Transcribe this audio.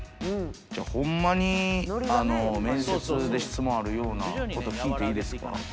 じゃあ、ほんまに面接で質問あるようなこと聞いていいですか。